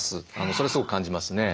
それすごく感じますね。